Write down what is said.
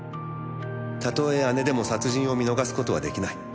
「たとえ姉でも殺人を見逃す事は出来ない」